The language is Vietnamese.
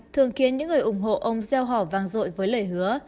thường khiến những người ủng hộ ông gieo hỏ vàng rội với lời hứa